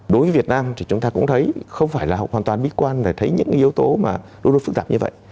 đối với việt nam thì chúng ta cũng thấy không phải là hoàn toàn bí quan để thấy những yếu tố đôi đôi phức tạp như vậy